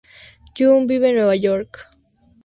Gunn vive en Nueva York.